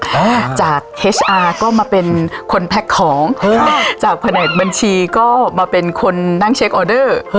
อ่าจากเฮสอาร์ก็มาเป็นคนแพ็คของเฮ้ยจากแผนกบัญชีก็มาเป็นคนนั่งเช็คออเดอร์